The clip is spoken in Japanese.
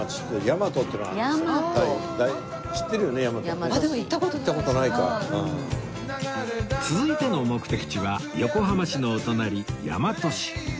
でも続いての目的地は横浜市のお隣大和市